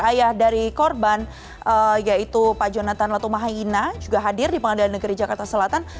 ayah dari korban yaitu pak jonathan latumahaina juga hadir di pengadilan negeri jakarta selatan